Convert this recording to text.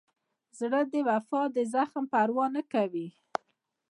زړه د وفا د زخم پروا نه کوي.